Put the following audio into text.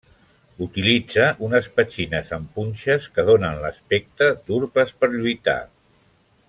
Utilitza unes petxines amb punxes que donen l'aspecte d'urpes per lluitar.